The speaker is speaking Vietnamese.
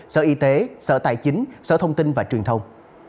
sở y tế sở tài chính sở thông tin và truyền thông